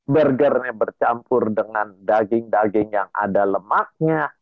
burgernya bercampur dengan daging daging yang ada lemaknya